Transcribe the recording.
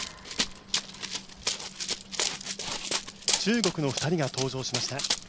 中国の２人が登場しました。